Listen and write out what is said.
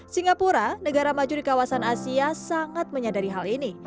singapura negara maju di kawasan asia sangat menyadari hal ini